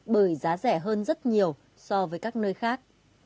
bởi giá rẻ hơn rất nhiều so với các nơi khác